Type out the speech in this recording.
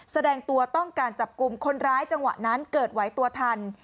แสดงตัวต้องการจับกลุ่มคนร้ายจังหวะนั้นเกิดไหวตัวทัน